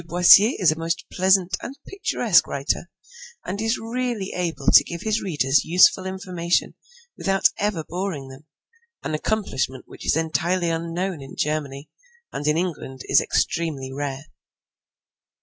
Boissier is a most pleasant and picturesque writer, and is really able to give his readers useful information without ever boring them, an accomplishment which is entirely unknown in Germany, and in England is extremely rare.